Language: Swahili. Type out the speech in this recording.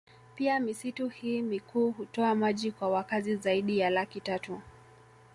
Pia misitu hii mikuu hutoa maji kwa wakazi zaidi ya laki tatu